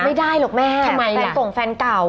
ไม่ได้หรอกแม่แฟนกล่องแฟนเก่า